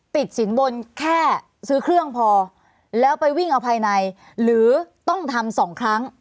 ติดสินบนแค่ซื้อเครื่องพอแล้วไปวิ่งเอาภายในหรือต้องทำสองครั้ง